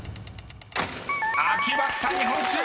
［開きました「日本酒」！